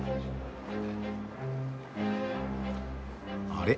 あれ？